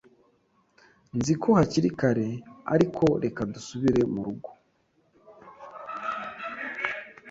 Nzi ko hakiri kare, ariko reka dusubire murugo.